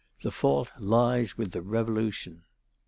The fault lies with the Revolution."